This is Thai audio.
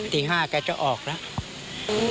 ตี๕ไปจะเอาออกแล้ว